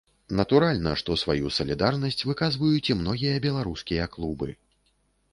Натуральна, што сваю салідарнасць выказваюць і многія беларускія клубы.